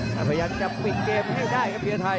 แต่พยายามจะปิดเกมให้ได้ครับเฮียไทย